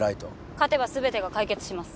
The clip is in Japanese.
勝てば全てが解決します。